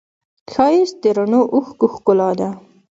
ښایست د رڼو اوښکو ښکلا ده